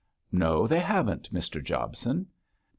'No, they haven't, Mr Jobson!'